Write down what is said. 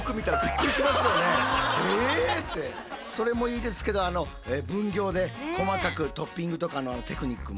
それもいいですけど分業で細かくトッピングとかのテクニックも。